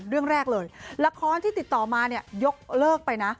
เรื่องแรกเลยละครที่ติดต่อมาเนี่ยยกเลิกไปนะ